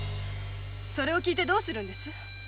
聞いてどうするんです！？